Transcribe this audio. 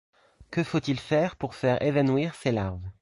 Que faut-il faire pour faire évanouir ces larves?